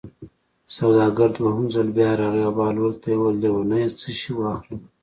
سوداګر دویم ځل بیا راغی او بهلول ته یې وویل: لېونیه څه شی واخلم.